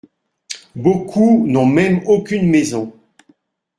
Beaucoup n’ont même aucune maison.